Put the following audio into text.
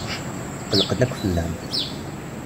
Tqellqen akk fell-am.